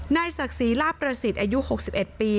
นายศักดิ์ศรีลาบประสิทธิ์อายุ๖๑ปี